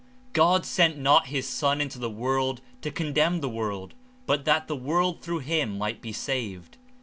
'^God sent not his Son into the world to condemn the world, but that the world through him might he saved.''